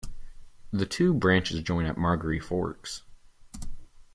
The two branches join at Margaree Forks.